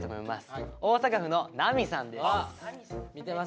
大阪府のなみさんです。